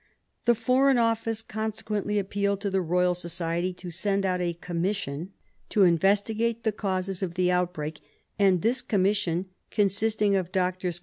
The Foreign Office consequently appealed to the Royal Society to send out a Commission to investigate the causes of the outbreak, and this Commission, consisting of Drs.